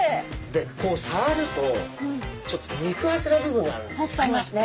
でこうさわるとちょっと肉厚な部分があるんですよ。ありますね。